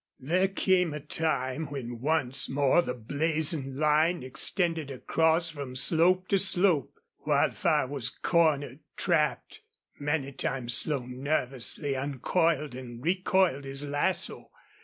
There came a time when once more the blazing line extended across from slope to slope. Wildfire was cornered, trapped. Many times Slone nervously uncoiled and recoiled his lasso.